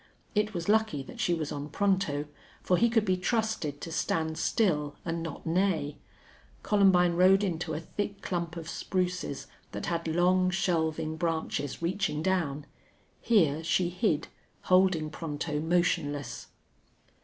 It was lucky that she was on Pronto, for he could be trusted to stand still and not neigh. Columbine rode into a thick clump of spruces that had long, shelving branches, reaching down. Here she hid, holding Pronto motionless.